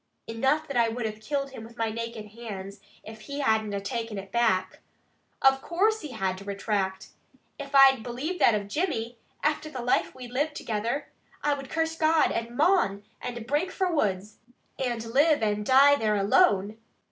"Enough that I would have killed him with my naked hands if he had na taken it back. Of course he had to retract! If I believed that of Jimmy, after the life we lived together, I would curse God and mon, and break fra the woods, and live and dee there alone."